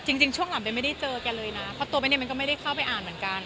จริงช่วงหลังเบ้นไม่ได้เจอแกเลยนะเพราะตัวเบ้นเนี่ยมันก็ไม่ได้เข้าไปอ่านเหมือนกัน